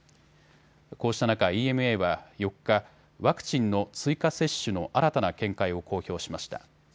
こうした中、ＥＭＡは４日、ワクチンの追加接種の新たな見解を公表しました。